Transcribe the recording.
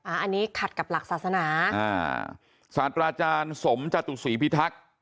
อันนี้ขัดกับหลักศาสนาอ่าศาสตราอาจารย์สมจตุศรีพิทักษ์